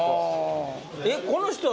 えっこの人は。